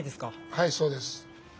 はいそうです。